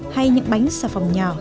hay những bánh xà phòng nhỏ